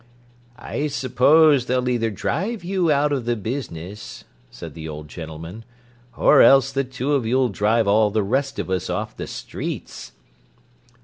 "I suppose they'll either drive you out of the business," said the old gentleman, "or else the two of you'll drive all the rest of us off the streets."